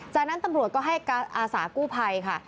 จากนั้นตำรวจก็ให้อาสากู้ภัยค่ะ